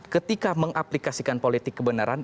ketika mengaplikasikan politik kebenaran